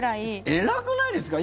偉くないですか？